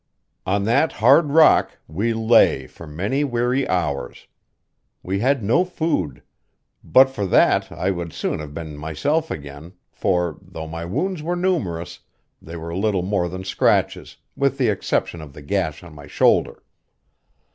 On that hard rock we lay for many weary hours. We had no food; but for that I would soon have been myself again, for, though my wounds were numerous, they were little more than scratches, with the exception of the gash on my shoulder.